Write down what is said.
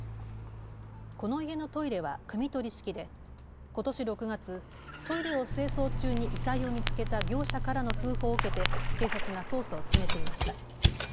この家のトイレはくみ取り式でことし６月、トイレを清掃中に遺体を見つけた業者からの通報を受けて警察が捜査を進めていました。